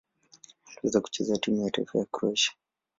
Aliwahi kucheza timu ya taifa ya Kroatia.